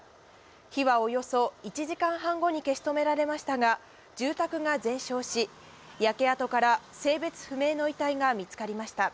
火はおよそ１時間半後に消し止められましたが、住宅が全焼し、焼け跡から性別不明の遺体が見つかりました。